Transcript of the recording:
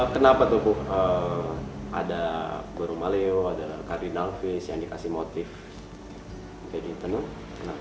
kenapa tuh bu ada burung maleo ada kardinal vis yang dikasih motif jadi tenun